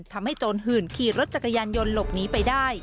โจรหื่นขี่รถจักรยานยนต์หลบหนีไปได้